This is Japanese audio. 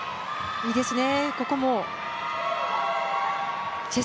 いいですね！